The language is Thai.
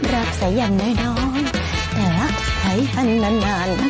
รับใส่อย่างแน่นอนแต่ให้อันนานนะคะ